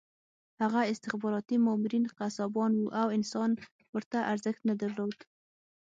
هغه استخباراتي مامورین قصابان وو او انسان ورته ارزښت نه درلود